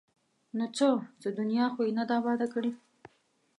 ـ نو څه؟ څه دنیا خو یې نه ده اباد کړې!